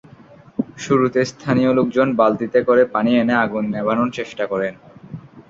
শুরুতে স্থানীয় লোকজন বালতিতে করে পানি এনে আগুন নেভানোর চেষ্টা করেন।